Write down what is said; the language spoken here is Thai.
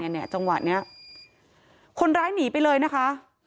เนี่ยจังหวะนี้คนร้ายหนีไปเลยนะคะ